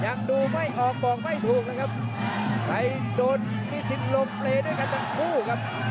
อย่างดูไม่ออกบอกไม่ถูกนะครับใครโดนมีสินลงเปลยด้วยกันกันคู่ครับ